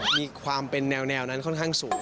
มีความเป็นแนวนั้นค่อนข้างสูง